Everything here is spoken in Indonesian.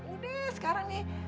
udah sekarang nih